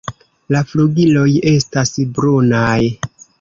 La flugiloj estas brunaj.